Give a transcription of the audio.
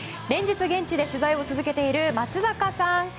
連日現地で取材を続けている松坂さん！